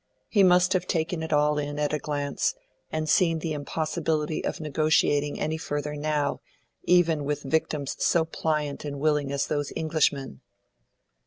He must have taken it all in at a glance, and seen the impossibility of negotiating any further now, even with victims so pliant and willing as those Englishmen.